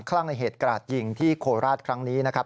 ลั่งในเหตุกราดยิงที่โคราชครั้งนี้นะครับ